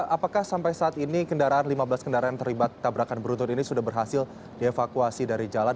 apakah sampai saat ini kendaraan lima belas kendaraan yang terlibat tabrakan beruntun ini sudah berhasil dievakuasi dari jalan